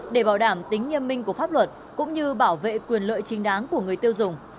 để bảo đảm tính nghiêm minh của pháp luật cũng như bảo vệ quyền lợi chính đáng của người tiêu dùng